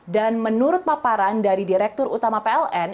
dan menurut paparan dari direktur utama peln